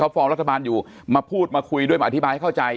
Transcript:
ฟอร์มรัฐบาลอยู่มาพูดมาคุยด้วยมาอธิบายให้เข้าใจ